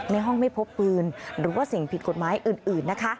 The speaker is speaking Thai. ในห้องไม่พบปืนหรือว่าสิ่งผิดกฎหมายอื่นนะคะ